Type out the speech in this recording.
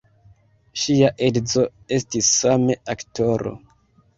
Ŝia edzo estis same aktoro.